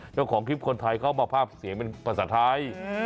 เจ้าของคลิปคนไทยเข้ามาภาพเสียงเป็นภาษาไทย